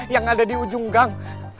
yang ada di ujung gang